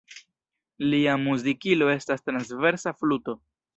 Lia muzikilo estas transversa fluto.